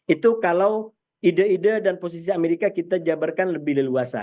itu kalau ide ide dan posisi amerika kita jabarkan lebih leluasa